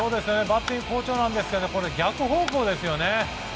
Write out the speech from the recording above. バッティング好調なんですけど逆方向ですよね。